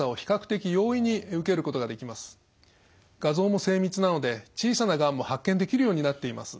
画像も精密なので小さながんも発見できるようになっています。